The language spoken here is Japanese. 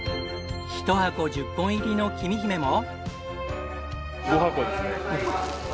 １箱１０本入りのきみひめも。